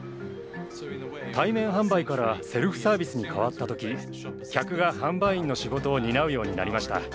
対面販売からセルフサービスに変わった時客が販売員の仕事を担うようになりました。